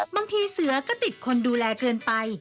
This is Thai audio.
บางทีเสือก็ติดคนดูแลเกินไป